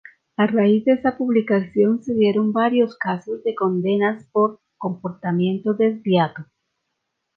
A raíz de esa publicación se dieron varios casos de condenas por "comportamiento desviado".